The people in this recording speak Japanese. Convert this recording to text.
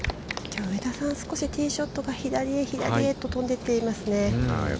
◆きょうは上田さん、少しティーショットが、左へ左へと飛んでいってますね。